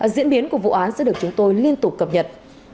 diễn biến của vụ án sẽ được chúng tôi liên tục cập nhật